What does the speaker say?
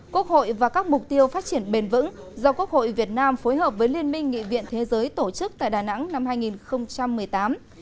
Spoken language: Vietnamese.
quốc hội và các mục tiêu phát triển bền vững do quốc hội việt nam phối hợp với liên minh nghị viện thế giới tổ chức tại đà nẵng năm hai nghìn một mươi tám